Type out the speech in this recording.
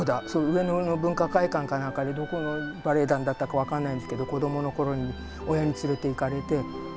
上野の文化会館か何かでどこのバレエ団だったか分かんないんですけど子どものころに親に連れて行かれて。